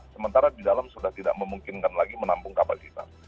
sementara di dalam sudah tidak memungkinkan lagi menampung kapasitas